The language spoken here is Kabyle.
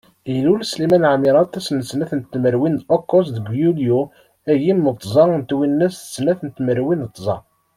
Ilul Sliman Ɛmirat ass n snat tmerwin d ukkuẓ deg yulyu agim d tẓa twinas d snat tmerwin d tẓa.